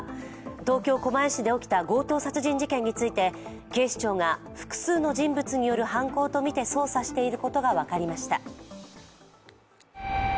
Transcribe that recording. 東京・狛江市で起きた強盗殺人事件について警視庁が複数の人物による犯行とみて捜査していることが分かりました。